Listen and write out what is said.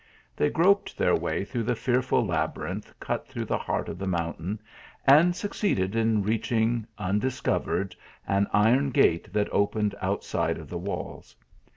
They groped their way through a fearful labyrinth cut through the heart of the mountain, and succeeded in reaching, undiscov ered, an iron gate that opened outside of the walls.